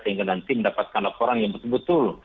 sehingga nanti mendapatkan laporan yang betul betul